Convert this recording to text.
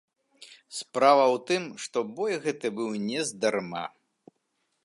Справа ў тым, што бой гэты быў нездарма.